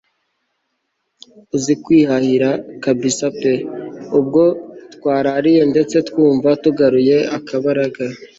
uzi kwihahira kabsa pe! ubwo twarariye ndetse twumva tugaruye akabaraga